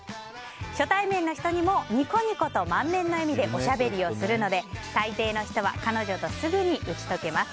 初対面の人にもニコニコと満面の笑みでおしゃべりするので大抵の人は彼女とすぐ打ち解けます。